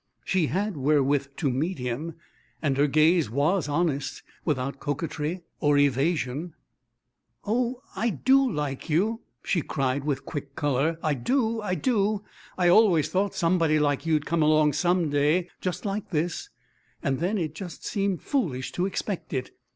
She had wherewith to meet him, and her gaze was honest, without coquetry or evasion. "Oh, I do like you!" she cried with quick colour. "I do! I do! I always thought somebody like you'd come along some day, just like this, and then it just seemed foolish to expect it.